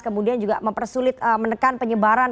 kemudian juga mempersulit menekan penyebaran